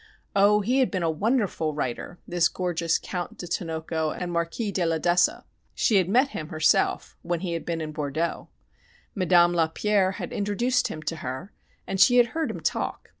Oh! he had been a wonderful writer, this gorgeous Count de Tinoco and Marquis de la d'Essa. She had met him herself when he had been in Bordeaux. Madame Lapierre had introduced him to her, and she had heard him talk.